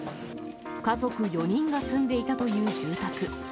家族４人が住んでいたという住宅。